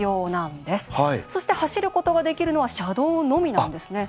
そして走ることができるのは車道のみなんですね。